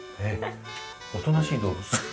おとなしい動物？